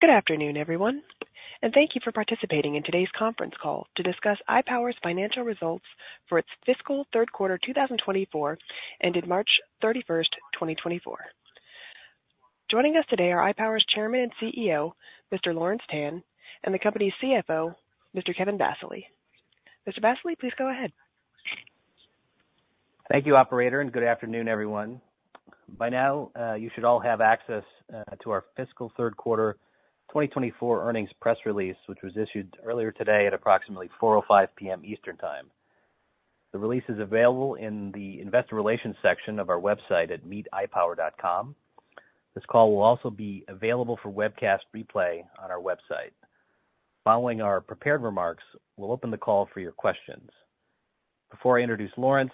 Good afternoon, everyone, and thank you for participating in today's conference call to discuss iPower's Financial Results for its Fiscal Q3, 2024, ended 31 March 2024. Joining us today are iPower's Chairman and CEO, Mr. Lawrence Tan, and the company's CFO, Mr. Kevin Vassily. Mr. Vassily, please go ahead. Thank you, operator, and good afternoon, everyone. By now, you should all have access to our Fiscal Q3 2024 Earnings Press Release, which was issued earlier today at approximately 4:05PM Eastern Time. The release is available in the investor relations section of our website at ipower.com. This call will also be available for webcast replay on our website. Following our prepared remarks, we'll open the call for your questions. Before I introduce Lawrence,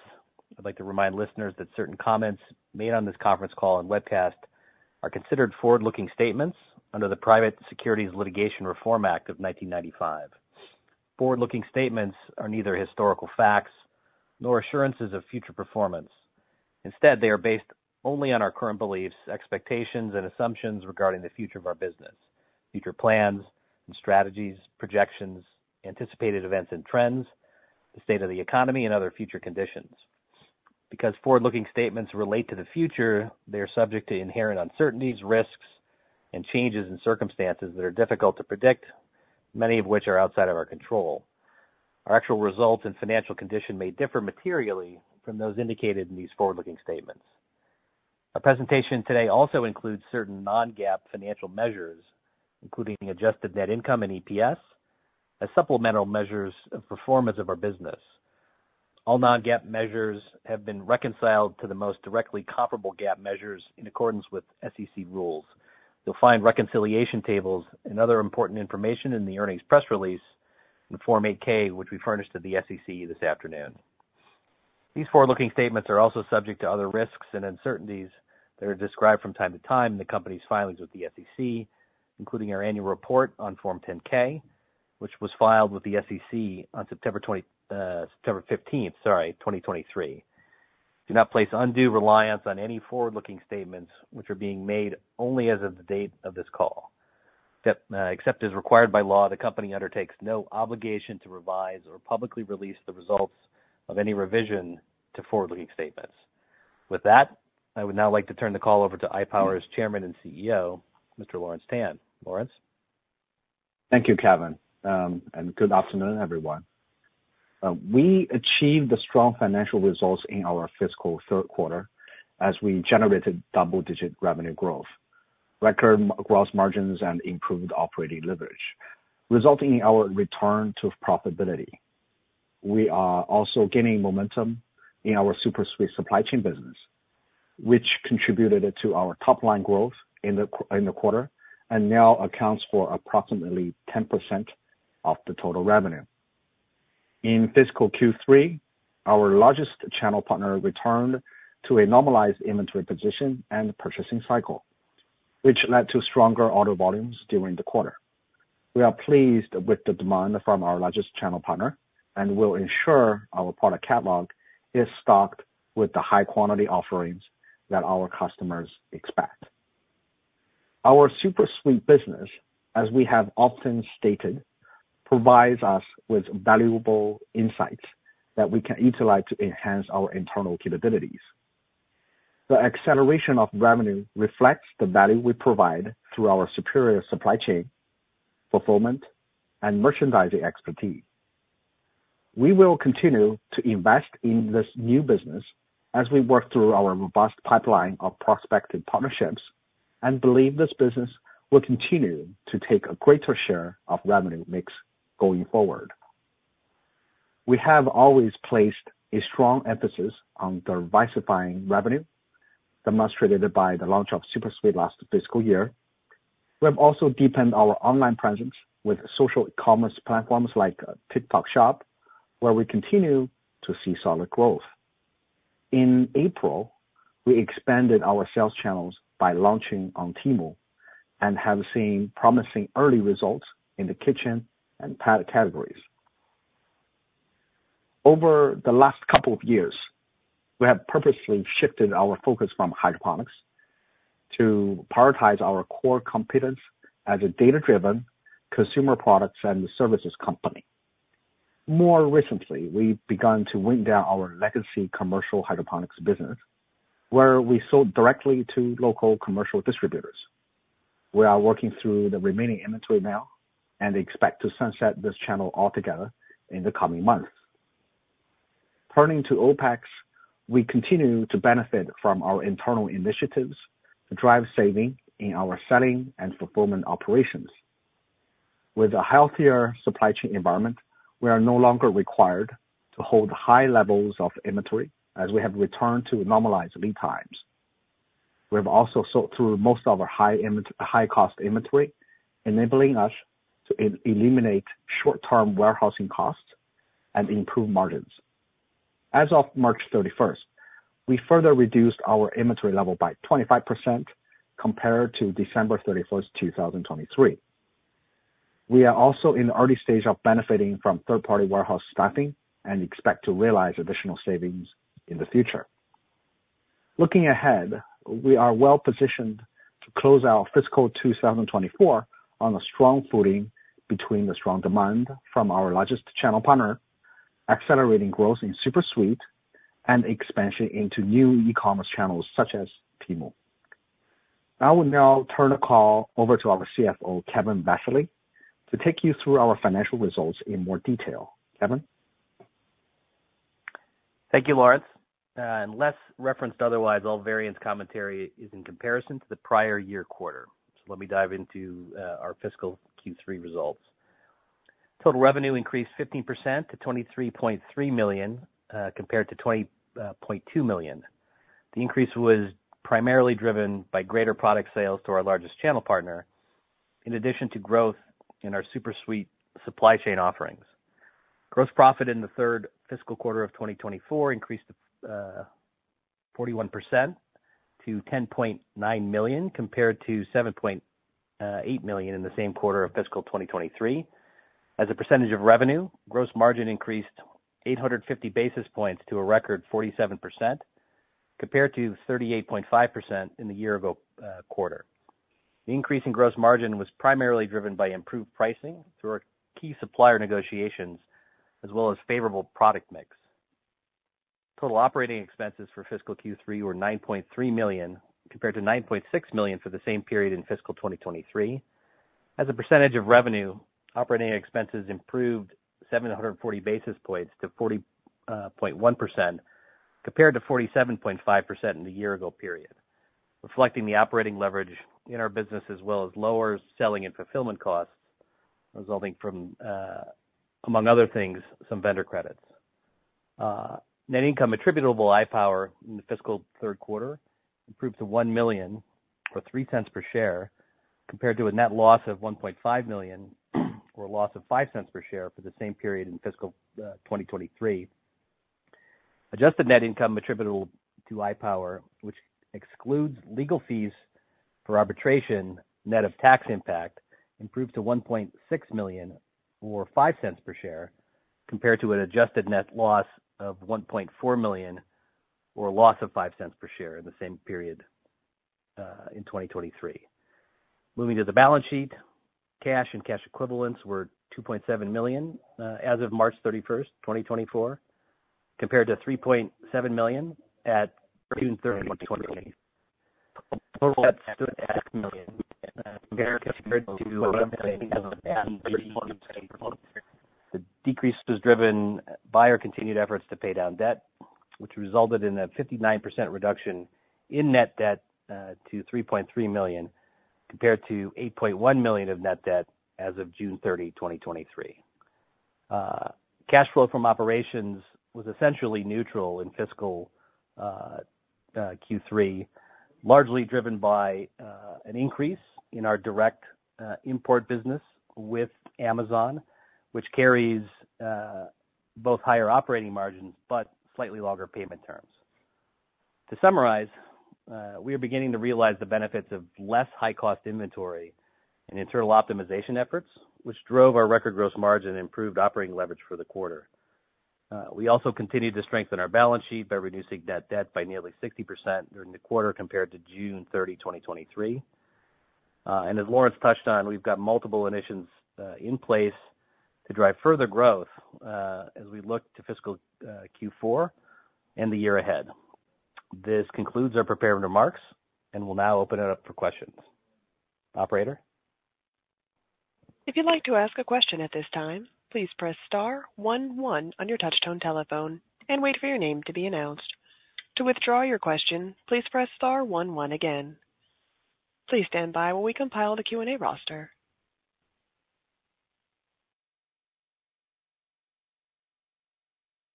I'd like to remind listeners that certain comments made on this conference call and webcast are considered forward-looking statements under the Private Securities Litigation Reform Act of 1995. Forward-looking statements are neither historical facts nor assurances of future performance. Instead, they are based only on our current beliefs, expectations, and assumptions regarding the future of our business, future plans and strategies, projections, anticipated events and trends, the state of the economy and other future conditions. Because forward-looking statements relate to the future, they are subject to inherent uncertainties, risks, and changes in circumstances that are difficult to predict, many of which are outside of our control. Our actual results and financial condition may differ materially from those indicated in these forward-looking statements. Our presentation today also includes certain non-GAAP financial measures, including adjusted net income and EPS, as supplemental measures of performance of our business. All non-GAAP measures have been reconciled to the most directly comparable GAAP measures in accordance with SEC rules. You'll find reconciliation tables and other important information in the earnings press release and Form 8-K, which we furnished to the SEC this afternoon. These forward-looking statements are also subject to other risks and uncertainties that are described from time to time in the company's filings with the SEC, including our annual report on Form 10-K, which was filed with the SEC on 15 September 2023. Do not place undue reliance on any forward-looking statements which are being made only as of the date of this call. Except, except as required by law, the company undertakes no obligation to revise or publicly release the results of any revision to forward-looking statements. With that, I would now like to turn the call over to iPower's Chairman and CEO, Mr. Lawrence Tan. Lawrence? Thank you, Kevin, and good afternoon, everyone. We achieved the strong financial results in our fiscal Q3 as we generated double-digit revenue growth, record gross margins, and improved operating leverage, resulting in our return to profitability. We are also gaining momentum in our SuperSuite supply chain business, which contributed to our top-line growth in the quarter and now accounts for approximately 10% of the total revenue. In fiscal Q3, our largest channel partner returned to a normalized inventory position and purchasing cycle, which led to stronger order volumes during the quarter. We are pleased with the demand from our largest channel partner and will ensure our product catalog is stocked with the high-quality offerings that our customers expect. Our SuperSuite business, as we have often stated, provides us with valuable insights that we can utilize to enhance our internal capabilities. The acceleration of revenue reflects the value we provide through our superior supply chain, fulfillment, and merchandising expertise. We will continue to invest in this new business as we work through our robust pipeline of prospective partnerships and believe this business will continue to take a greater share of revenue mix going forward. We have always placed a strong emphasis on diversifying revenue, demonstrated by the launch of SuperSuite last fiscal year. We have also deepened our online presence with social e-commerce platforms like TikTok Shop, where we continue to see solid growth. In April, we expanded our sales channels by launching on Temu and have seen promising early results in the kitchen and pad categories. Over the last couple of years, we have purposely shifted our focus from hydroponics to prioritize our core competence as a data-driven consumer products and services company. More recently, we've begun to wind down our legacy commercial hydroponics business, where we sold directly to local commercial distributors. We are working through the remaining inventory now and expect to sunset this channel altogether in the coming months. Turning to OpEx, we continue to benefit from our internal initiatives to drive savings in our selling and fulfillment operations. With a healthier supply chain environment, we are no longer required to hold high levels of inventory as we have returned to normalized lead times. We have also sold through most of our high-cost inventory, enabling us to eliminate short-term warehousing costs and improve margins. As of 31 March we further reduced our inventory level by 25% compared to 31 December 2023. We are also in the early stage of benefiting from third-party warehouse staffing and expect to realize additional savings in the future. Looking ahead, we are well positioned to close our fiscal 2024 on a strong footing between the strong demand from our largest channel partner, accelerating growth in SuperSuite, and expansion into new e-commerce channels such as Tmall. I will now turn the call over to our CFO, Kevin Vassily, to take you through our financial results in more detail. Kevin? Thank you, Lawrence. Unless referenced otherwise, all variance commentary is in comparison to the prior year quarter. So let me dive into our fiscal Q3 results. Total revenue increased 15% to $23.3 million, compared to $20.2 million. The increase was primarily driven by greater product sales to our largest channel partner, in addition to growth in our SuperSuite supply chain offerings. Gross profit in the third fiscal quarter of 2024 increased 41% to $10.9 million, compared to $7.8 million in the same quarter of fiscal 2023. As a percentage of revenue, gross margin increased 850 basis points to a record 47%, compared to 38.5% in the year ago quarter. The increase in gross margin was primarily driven by improved pricing through our key supplier negotiations, as well as favorable product mix. Total operating expenses for fiscal Q3 were $9.3 million, compared to $9.6 million for the same period in fiscal 2023. As a percentage of revenue, operating expenses improved 740 basis points to 40.1%, compared to 47.5% in the year ago period, reflecting the operating leverage in our business, as well as lower selling and fulfillment costs resulting from, among other things, some vendor credits. Net income attributable to iPower in the fiscal Q3 improved to $1 million, or $0.03 per share, compared to a net loss of $1.5 million, or a loss of $0.05 per share for the same period in fiscal 2023. Adjusted Net Income attributable to iPower, which excludes legal fees for arbitration, net of tax impact, improved to $1.6 million, or $0.05 per share, compared to an Adjusted Net Loss of $1.4 million, or a loss of $0.05 per share in the same period in 2023. Moving to the balance sheet, cash and cash equivalents were $2.7 million as of 31 March 2024, compared to $3.7 million at 30 June 2023. The decrease was driven by our continued efforts to pay down debt, which resulted in a 59% reduction in net debt to $3.3 million, compared to $8.1 million of net debt as of 30 June 2023. Cash flow from operations was essentially neutral in fiscal Q3, largely driven by an increase in our direct import business with Amazon, which carries both higher operating margins, but slightly longer payment terms. To summarize, we are beginning to realize the benefits of less high-cost inventory and internal optimization efforts, which drove our record gross margin and improved operating leverage for the quarter. We also continued to strengthen our balance sheet by reducing net debt by nearly 60% during the quarter, compared to 30 June 2023. And as Lawrence touched on, we've got multiple initiatives in place to drive further growth, as we look to fiscal Q4 and the year ahead. This concludes our prepared remarks, and we'll now open it up for questions. Operator? If you'd like to ask a question at this time, please press star one one on your touchtone telephone and wait for your name to be announced. To withdraw your question, please press star one one again. Please stand by while we compile the Q&A roster.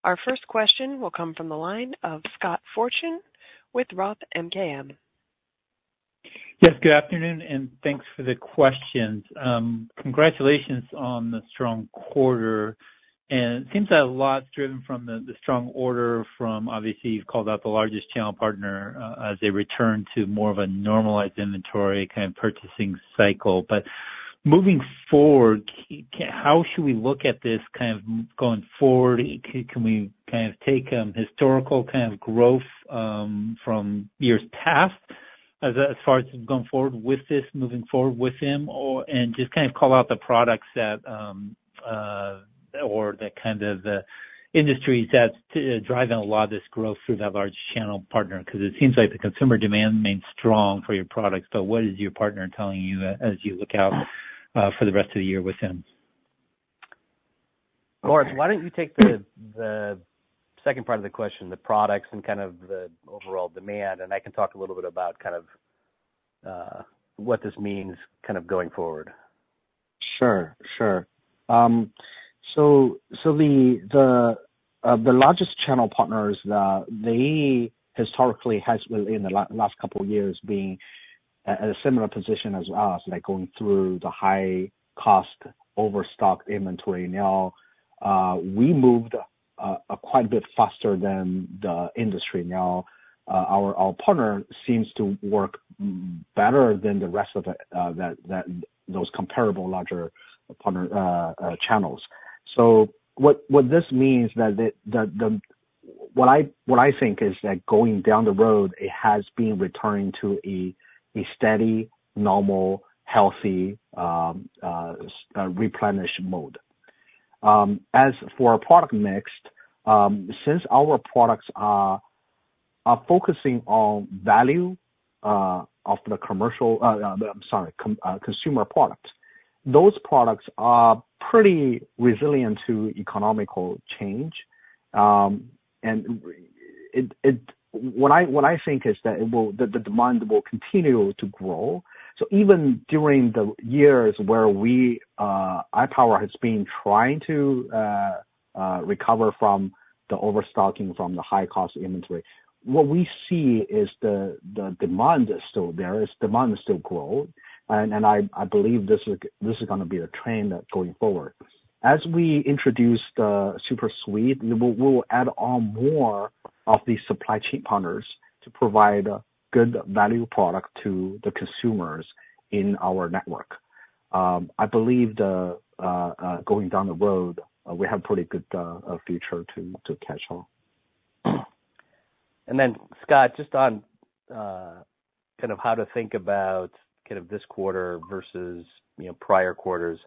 Our first question will come from the line of Scott Fortune with Roth MKM. Yes, good afternoon, and thanks for the questions. Congratulations on the strong quarter, and it seems that a lot's driven from the strong order from, obviously, you've called out the largest channel partner, as they return to more of a normalized inventory kind of purchasing cycle. But moving forward, how should we look at this kind of going forward? Can we kind of take historical kind of growth from years past as far as going forward with this, moving forward with him, or... And just kind of call out the products that or the kind of industries that's driving a lot of this growth through that large channel partner? Because it seems like the consumer demand remains strong for your products, so what is your partner telling you as you look out for the rest of the year with him? Lawrence, why don't you take the second part of the question, the products and kind of the overall demand, and I can talk a little bit about kind of what this means kind of going forward. Sure, sure. So, the largest channel partners, they historically has been, in the last couple of years, being at a similar position as us, like going through the high-cost overstock inventory. Now, we moved quite a bit faster than the industry. Now, our partner seems to work better than the rest of the, that, those comparable larger partner channels. So what this means is that the, what I think is that going down the road, it has been returning to a steady, normal, healthy replenish mode. As for our product mix, since our products are focusing on value, of the commercial, I'm sorry, consumer products, those products are pretty resilient to economical change. What I think is that it will, the demand will continue to grow. So even during the years where we, iPower has been trying to recover from the overstocking, from the high cost inventory, what we see is the demand is still there, is demand is still grow. And I believe this is gonna be a trend going forward. As we introduce the SuperSuite, we will add on more of these supply chain partners to provide good value product to the consumers in our network. I believe going down the road, we have pretty good future to catch on. Then, Scott, just on kind of how to think about kind of this quarter versus, you know, prior quarters.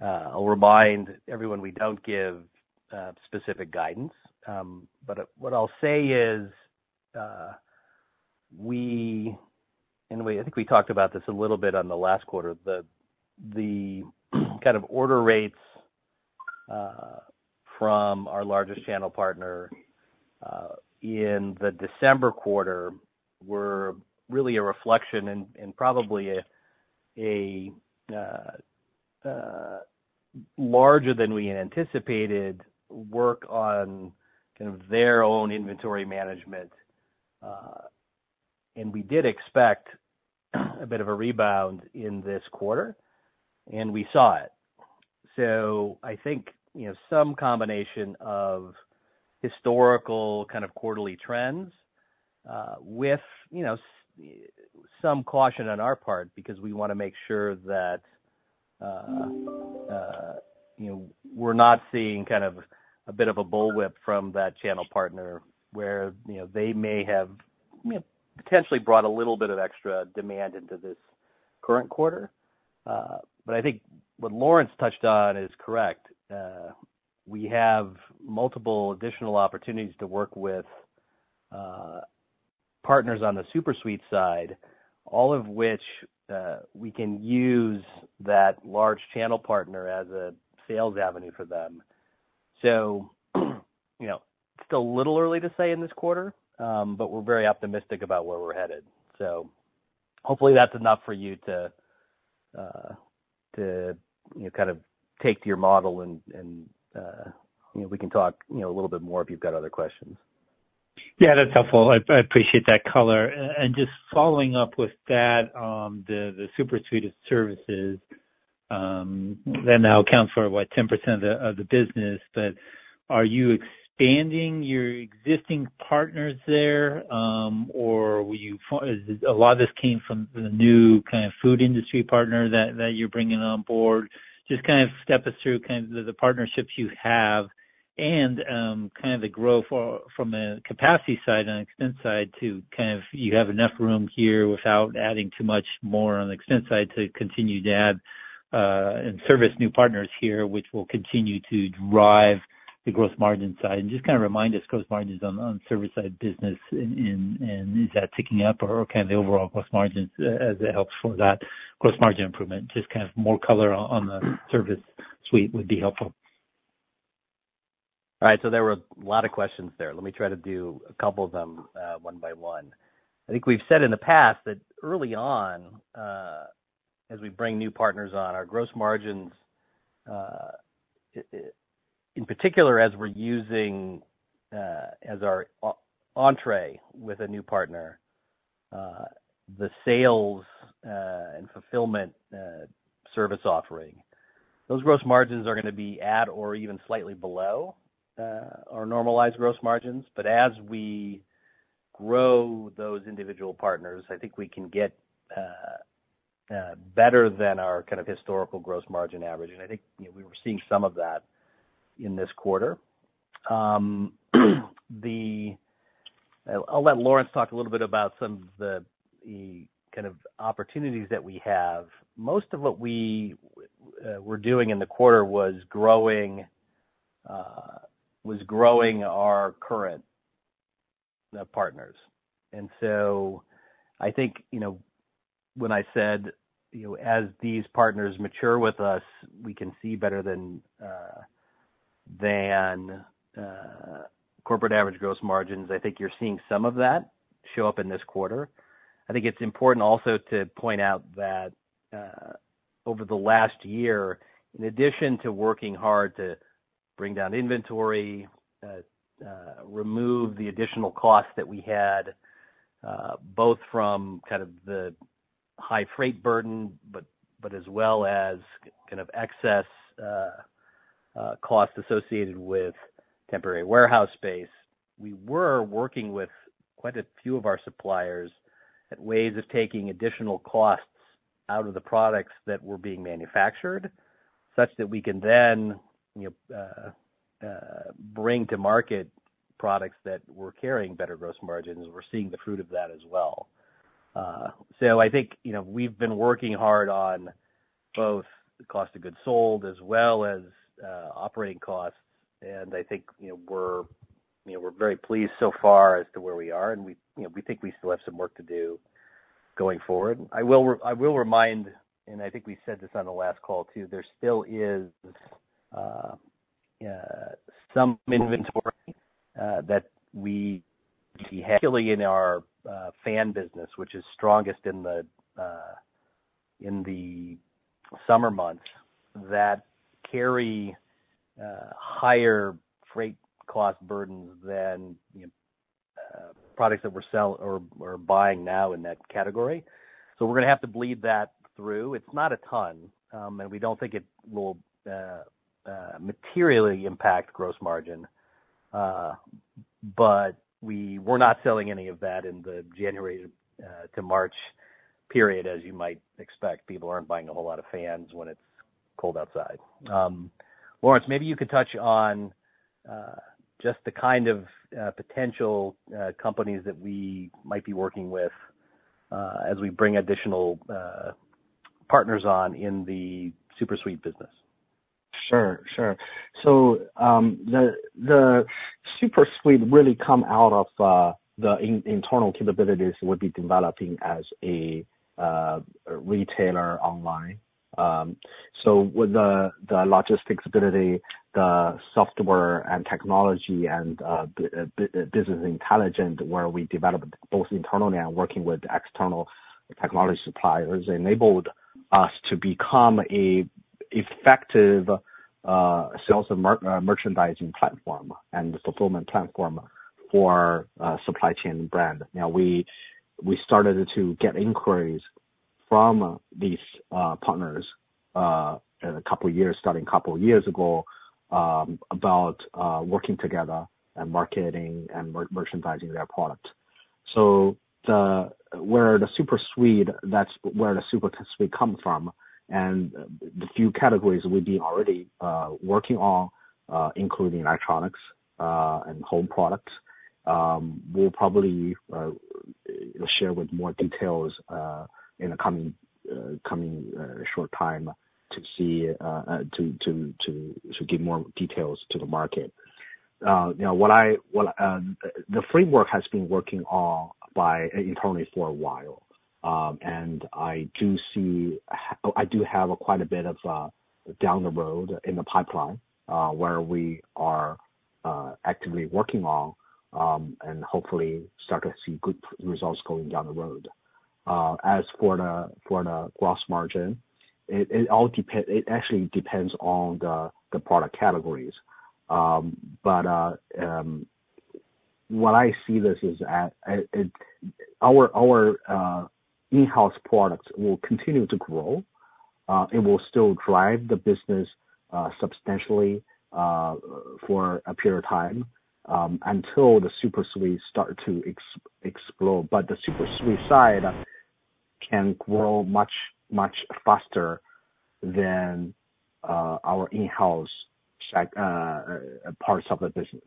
I'll remind everyone, we don't give specific guidance. But what I'll say is, anyway, I think we talked about this a little bit on the last quarter. The kind of order rates from our largest channel partner in the December quarter were really a reflection and probably a larger than we anticipated work on kind of their own inventory management. And we did expect a bit of a rebound in this quarter, and we saw it. So I think, you know, some combination of historical kind of quarterly trends, with, you know, some caution on our part, because we wanna make sure that, you know, we're not seeing kind of a bit of a bullwhip from that channel partner where, you know, they may have, you know, potentially brought a little bit of extra demand into this current quarter. But I think what Lawrence Tan touched on is correct. We have multiple additional opportunities to work with, partners on the SuperSuite side, all of which, we can use that large channel partner as a sales avenue for them. So, you know, still a little early to say in this quarter, but we're very optimistic about where we're headed. So hopefully, that's enough for you to, you know, kind of take to your model and, you know, we can talk, you know, a little bit more if you've got other questions. Yeah, that's helpful. I appreciate that color. Just following up with that, the SuperSuite of services that now account for what? 10% of the business. But are you expanding your existing partners there, or will you, a lot of this came from the new kind of food industry partner that you're bringing on board. Just kind of step us through kind of the partnerships you have and kind of the growth from a capacity side and extent side to kind of you have enough room here without adding too much more on the extent side to continue to add and service new partners here, which will continue to drive the growth margin side. Just kind of remind us, gross margins on the service side business, and is that ticking up or kind of the overall gross margins as it helps for that gross margin improvement? Just kind of more color on the service suite would be helpful. All right, so there were a lot of questions there. Let me try to do a couple of them one by one. I think we've said in the past that early on, as we bring new partners on, our gross margins, in particular, as we're using as our entry with a new partner, the sales and fulfillment service offering, those gross margins are gonna be at or even slightly below our normalized gross margins. But as we grow those individual partners, I think we can get better than our kind of historical gross margin average. And I think, you know, we were seeing some of that in this quarter. I'll let Lawrence talk a little bit about some of the kind of opportunities that we have. Most of what we're doing in the quarter was growing our current partners. And so I think, you know, when I said, you know, as these partners mature with us, we can see better than corporate average gross margins. I think it's important also to point out that, over the last year, in addition to working hard to bring down inventory, remove the additional costs that we had, both from kind of the high freight burden, but as well as kind of excess costs associated with temporary warehouse space. We were working with quite a few of our suppliers at ways of taking additional costs out of the products that were being manufactured, such that we can then bring to market products that were carrying better gross margins. We're seeing the fruit of that as well. So I think, you know, we've been working hard on both the cost of goods sold as well as operating costs, and I think, you know, we're, you know, we're very pleased so far as to where we are, and we, you know, we think we still have some work to do going forward. I will remind, and I think we said this on the last call, too, there still is some inventory that we have, particularly in our fan business, which is strongest in the summer months, that carry higher freight cost burdens than, you know, products that we're selling or buying now in that category. So we're gonna have to bleed that through. It's not a ton, and we don't think it will materially impact gross margin. But we're not selling any of that in the January to March period, as you might expect. People aren't buying a whole lot of fans when it's cold outside. Lawrence, maybe you could touch on just the kind of potential companies that we might be working with as we bring additional partners on in the SuperSuite business. Sure, sure. So, the SuperSuite really come out of the internal capabilities we'll be developing as a retailer online. So with the logistics ability, the software and technology and business intelligence, where we develop both internally and working with external technology suppliers, enabled us to become a effective sales and merchandising platform and fulfillment platform for supply chain brand. Now, we started to get inquiries from these partners in a couple years, starting a couple years ago, about working together and marketing and merchandising their product. So the, where the SuperSuite, that's where the SuperSuite comes from, and the few categories we've been already working on, including electronics, and home products, we'll probably share with more details in the coming short time to see to give more details to the market. Now, what I, what the framework has been working on by internally for a while, and I do have quite a bit of down the road in the pipeline, where we are actively working on, and hopefully start to see good results going down the road. As for the gross margin, it actually depends on the product categories. Our in-house products will continue to grow. It will still drive the business substantially for a period of time until the SuperSuite starts to explode. But the SuperSuite side can grow much, much faster than our in-house parts of the business.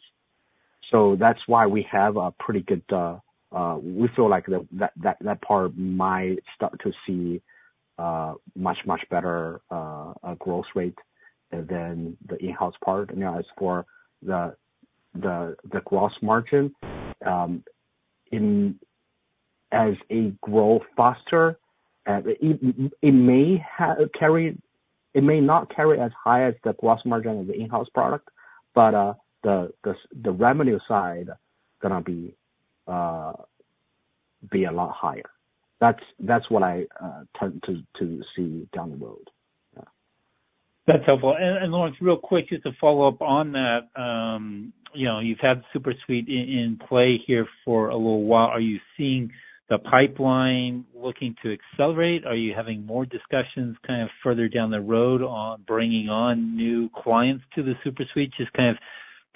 So that's why we have a pretty good. We feel like that part might start to see much, much better growth rate than the in-house part. Now, as for the gross margin, in as a growth faster, it may carry, it may not carry as high as the gross margin of the in-house product, but the revenue side gonna be a lot higher. That's what I tend to see down the road. Yeah. That's helpful. And Lawrence, real quick, just to follow up on that, you know, you've had Super Suite in play here for a little while. Are you seeing the pipeline looking to accelerate? Are you having more discussions kind of further down the road on bringing on new clients to the Super Suite? Just kind of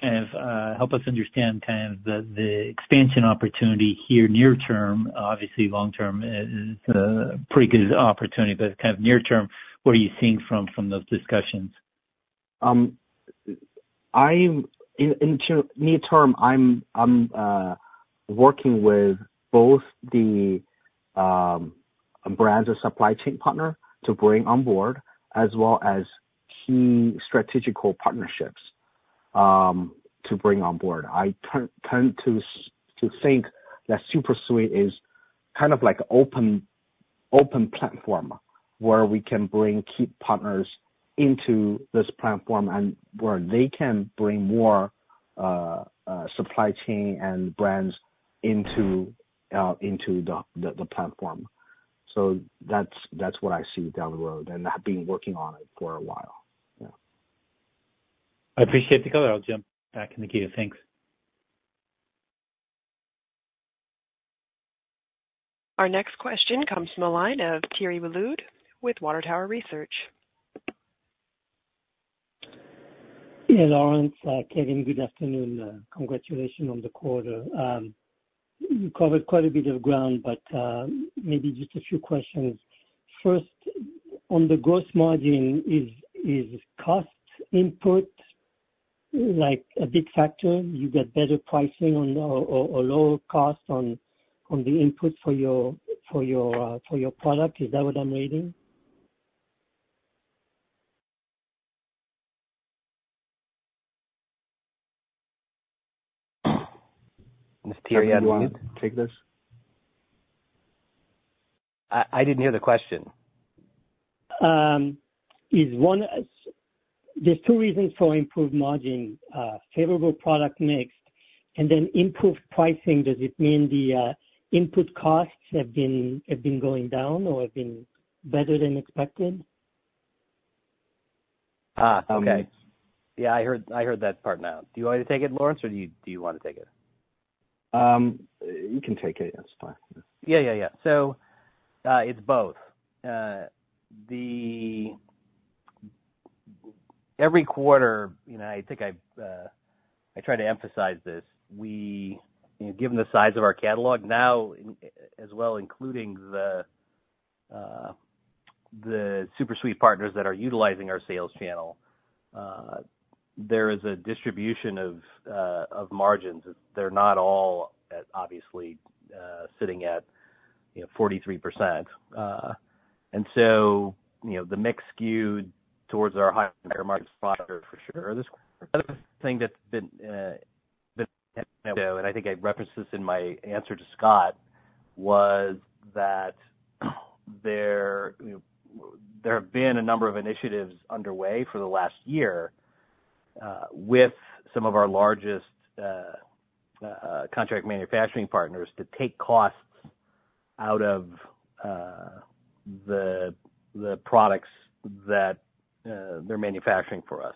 help us understand kind of the expansion opportunity here near term. Obviously, long term is a pretty good opportunity, but kind of near term, what are you seeing from those discussions? In the near term, I'm working with both the brands and supply chain partner to bring on board, as well as key strategic partnerships to bring on board. I tend to think that SuperSuite is kind of like open platform, where we can bring key partners into this platform and where they can bring more supply chain and brands into the platform. So that's what I see down the road, and I've been working on it for a while. Yeah. I appreciate the color. I'll jump back to the queue. Thanks. Our next question comes from the line of Thierry Wuilloud with Water Tower Research. Yeah, Lawrence, Kevin, good afternoon. Congratulations on the quarter. You covered quite a bit of ground, but maybe just a few questions. First, on the gross margin, is cost input like a big factor? You get better pricing on or lower cost on the input for your product. Is that what I'm reading?... Kevin do you want to take this? I didn't hear the question. There's two reasons for improved margin, favorable product mix, and then improved pricing. Does it mean the input costs have been going down or have been better than expected? Ah, okay. Yeah, I heard, I heard that part now. Do you want me to take it, Lawrence, or do you, do you want I take it? You can take it. It's fine. Yeah, yeah, yeah. So, it's both. Every quarter, you know, I think I've, I try to emphasize this. We, given the size of our catalog now, as well, including the SuperSuite partners that are utilizing our sales channel, there is a distribution of margins. They're not all at obviously sitting at, you know, 43%. And so, you know, the mix skewed towards our higher market products for sure. This other thing that's been, and I think I referenced this in my answer to Scott, was that there, you know, there have been a number of initiatives underway for the last year, with some of our largest contract manufacturing partners to take costs out of the products that they're manufacturing for us.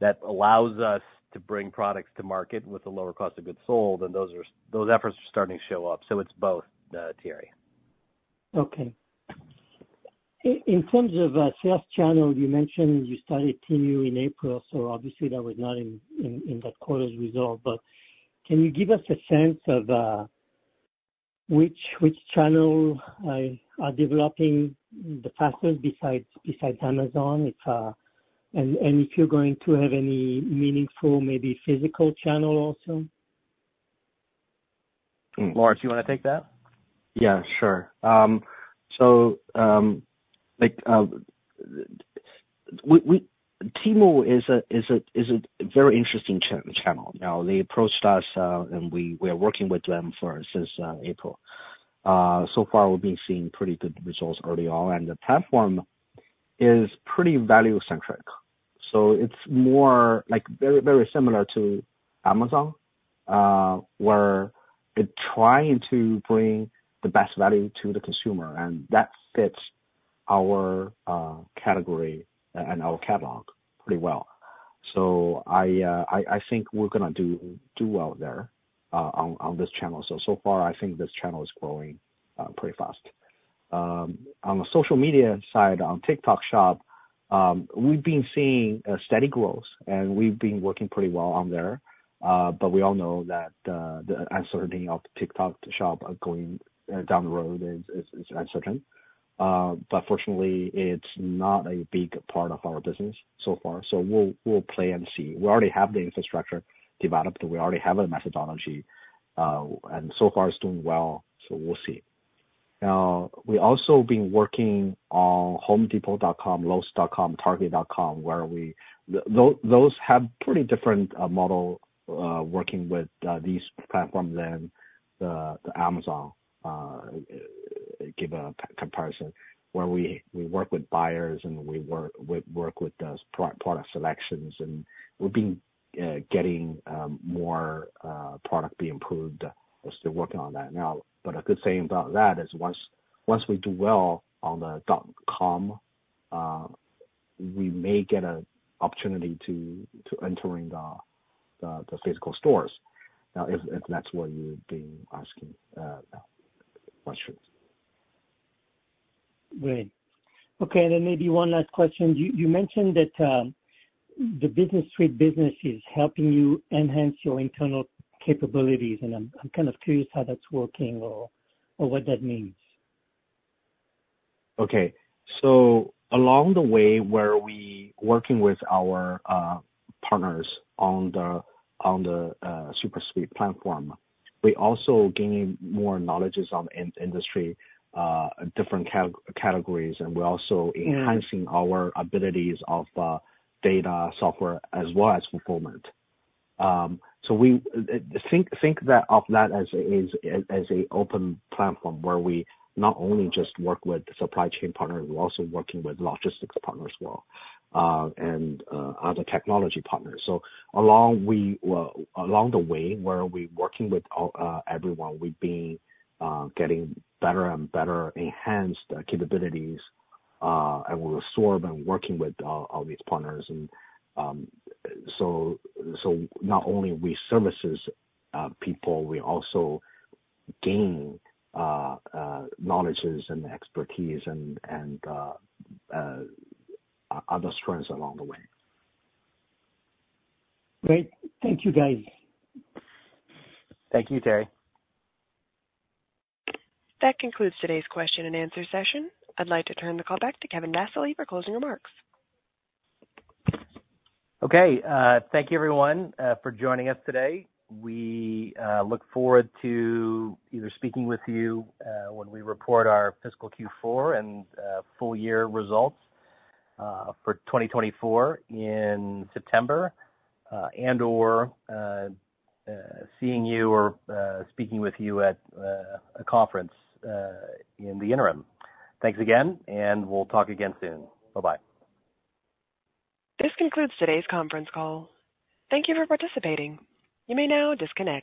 That allows us to bring products to market with a lower cost of goods sold, and those efforts are starting to show up. So it's both, Thierry. Okay. In terms of sales channel, you mentioned you started Temu in April, so obviously that was not in that quarter's result. But can you give us a sense of which channel are developing the fastest besides Amazon? And if you're going to have any meaningful, maybe physical channel also? Lawrence, you want to take that? Yeah, sure. So, like, Temu is a very interesting channel. Now, they approached us, and we are working with them since April. So far, we've been seeing pretty good results early on, and the platform is pretty value-centric. So it's more like very, very similar to Amazon, where it's trying to bring the best value to the consumer, and that fits our category and our catalog pretty well. So I think we're gonna do well there, on this channel. So far, I think this channel is growing pretty fast. On the social media side, on TikTok Shop, we've been seeing a steady growth, and we've been working pretty well on there. But we all know that the uncertainty of TikTok Shop going down the road is uncertain. But fortunately, it's not a big part of our business so far, so we'll play and see. We already have the infrastructure developed, we already have a methodology, and so far it's doing well, so we'll see. We've also been working on HomeDepot.com, Lowes.com, Target.com, where those have pretty different model working with these platforms than the Amazon. Give a comparison, where we work with buyers, and we work with the product selections, and we've been getting more product being improved. We're still working on that now. But a good thing about that is once we do well on the dot-com, we may get an opportunity to entering the physical stores, if that's what you've been asking questions. Great. Okay, then maybe one last question. You mentioned that the SuperSuite business is helping you enhance your internal capabilities, and I'm kind of curious how that's working or what that means. Okay. So along the way, where we working with our partners on the SuperSuite platform, we also gaining more knowledges on industry different categories, and we're also enhancing our abilities of data software as well as fulfillment. So we think of that as an open platform where we not only just work with supply chain partners, we're also working with logistics partners as well, and other technology partners. So along the way, well, where we working with everyone, we've been getting better and better enhanced capabilities, and we absorb and working with all these partners. So not only we services people, we also gain knowledge and expertise and other strengths along the way. Great. Thank you, guys. Thank you, Thierry. That concludes today's question and answer session. I'd like to turn the call back to Kevin Vassily for closing remarks. Okay. Thank you, everyone, for joining us today. We look forward to either speaking with you when we report our fiscal Q4 and full year results for 2024 in September, and/or seeing you or speaking with you at a conference in the interim. Thanks again, and we'll talk again soon. Bye-bye. This concludes today's conference call. Thank you for participating. You may now disconnect.